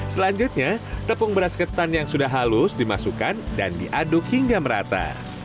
selanjutnya tepung beras ketan yang sudah halus dimasukkan dan diaduk hingga merata